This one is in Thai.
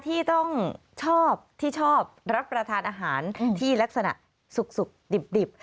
ที่ต้องชอบที่ชอบรับประทานอาหารที่ลักษณะสุกดิบ